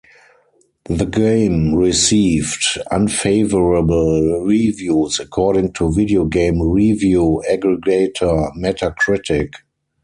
The game received "unfavorable" reviews according to video game review aggregator Metacritic.